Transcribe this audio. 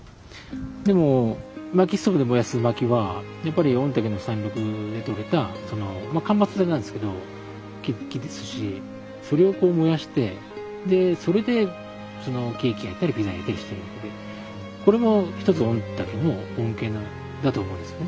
でも薪ストーブで燃やす薪はやっぱり御嶽の山麓でとれた間伐材なんですけど木ですしそれをこう燃やしてでそれでケーキ焼いたりピザ焼いたりしてるわけでこれも一つ御嶽の恩恵なんだと思うんですね。